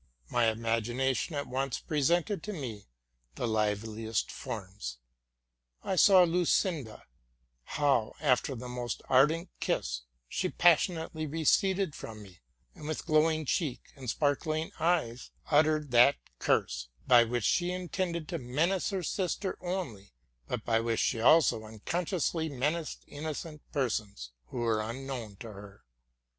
My imagination at once presented to me the liveliest forms: I saw Lucinda, how, after the most ardent kiss, she passionately receded from me, and, with glowing cheek and sparkling eyes, uttered that curse, by which she intended to menace her sister only, but by which she also unconsciously menaced innocent persons, who were unknown to her.